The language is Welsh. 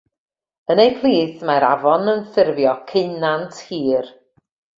Yn eu plith, mae'r afon yn ffurfio ceunant hir.